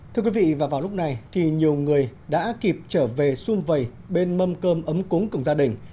thưa quý vị và vào lúc này thì nhiều người đã kịp trở về xung vầy bên mâm cơm ấm cúng cùng gia đình